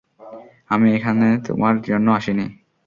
আমি এখানে তোমার জন্য আসিনি।